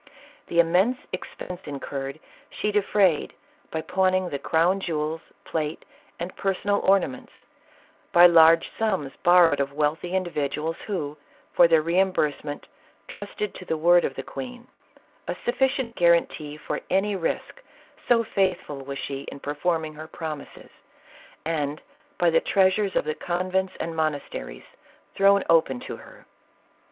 The im mense expense incurred, she defrayed by pawning the crown jewels, plate, and personal ornaments ; by large sums borrowed of wealthy individuals who, for their reimbursement, trusted to the word of the queen — a sufficient guarantee for any risk, so faithful was she in performing her promises ; and by the treasures of the convents and monasteries, thrown open to her.